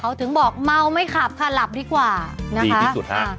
เขาถึงบอกเมาไม่ขับค่ะหลับดีกว่านะคะสุดอ่า